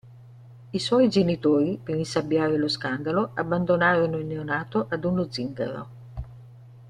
I suoi genitori, per insabbiare lo scandalo, abbandonarono il neonato ad uno zingaro.